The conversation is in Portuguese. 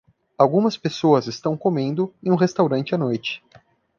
Algumas pessoas estão comendo em um restaurante à noite.